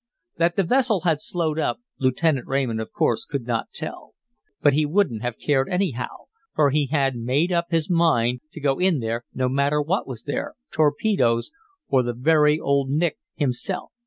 That the vessel had slowed up, Lieutenant Raymond of course could not tell. But he wouldn't have cared anyhow, for he had made up his mind to go in there no matter what was there, torpedoes or the very Old Nick himself.